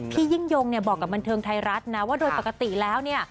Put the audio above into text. พี่ยิ่งยงเนี่ยบอกกับบันเทิงไทยรัฐนะว่าโดยปกติแล้วเนี่ย